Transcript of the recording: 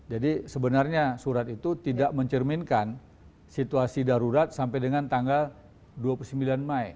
jadi sebenarnya surat itu tidak mencerminkan situasi darurat sampai dengan tanggal dua puluh sembilan maret